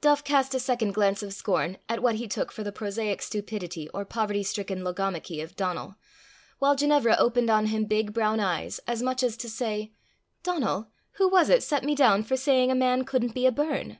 Duff cast a second glance of scorn at what he took for the prosaic stupidity or poverty stricken logomachy of Donal, while Ginevra opened on him big brown eyes, as much as to say, "Donal, who was it set me down for saying a man couldn't be a burn?"